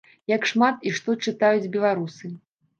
Як шмат і што чытаюць беларусы?